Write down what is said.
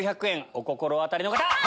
お心当たりの方！